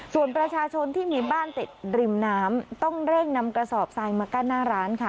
ส่วนประชาชนที่มีบ้านติดริมน้ำต้องเร่งนำกระสอบทรายมากั้นหน้าร้านค่ะ